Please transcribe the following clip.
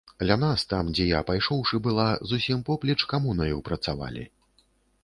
Ля нас там, дзе я пайшоўшы была, зусім поплеч камунаю працавалі.